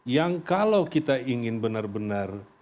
yang kalau kita ingin benar benar